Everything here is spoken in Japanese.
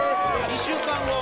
２週間後。